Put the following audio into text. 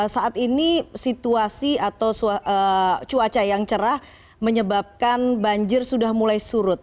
saat ini situasi atau cuaca yang cerah menyebabkan banjir sudah mulai surut